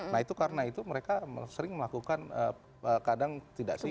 nah itu karena itu mereka sering melakukan kadang tidak